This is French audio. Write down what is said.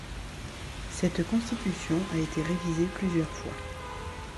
Cette constitution a été révisée plusieurs fois.